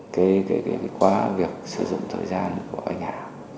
cái quá việc sử dụng thời gian của anh hà